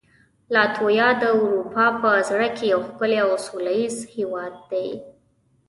لاتویا د اروپا په زړه کې یو ښکلی او سولهییز هېواد دی.